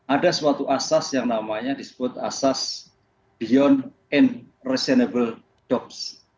ada suatu asas yang namanya disebut asas beyond and reasonable dox